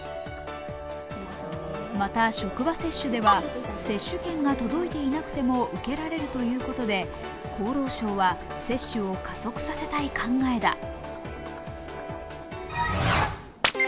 また、職場接種では接種券が届いていなくても受けられるということで厚労省は接種を加速させたい考えだ。